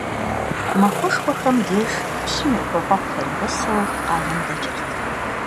Махуэшхуэхэм деж пщым и ӀупэфӀэгъухэр и гъусэу къалэм дэкӀырт.